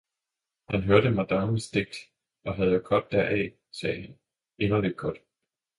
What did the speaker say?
han hørte madammens digt og havde godt deraf, sagde han, inderlig godt.